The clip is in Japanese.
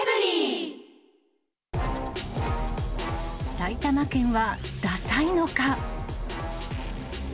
埼玉県はダサいのか？